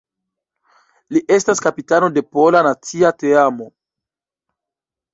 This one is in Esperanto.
Li estas kapitano de pola nacia teamo.